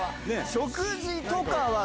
⁉食事とかは。